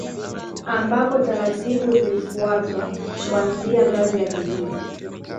Ambapo taratibu zilifuatwa kuanzia ngazi ya kijiji